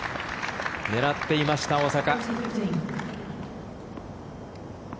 狙っていました大坂。